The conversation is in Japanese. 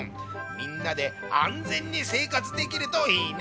みんなで安全にせいかつできるといいね！